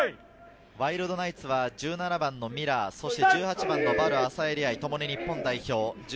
ワイルドナイツは１７番のミラー、そして１８番のヴァル・アサエリ愛とも日本代表。